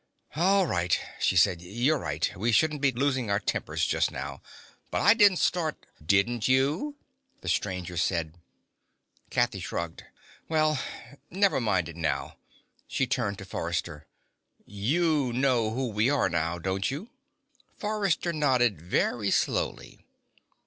"All right," she said. "You're right. We shouldn't be losing our tempers just now. But I didn't start " "Didn't you?" the stranger said. Kathy shrugged. "Well, never mind it now." She turned to Forrester. "You know who we are now, don't you?" Forrester nodded very slowly.